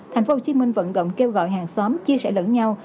tp hcm vận động kêu gọi hàng xóm chia sẻ lẫn nhau